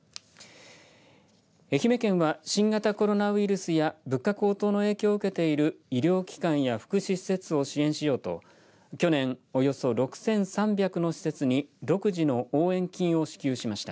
愛媛県は新型コロナウイルスや物価高騰の影響を受けている医療機関や福祉施設を支援しようと去年およそ６３００の施設に独自の応援金を支給しました。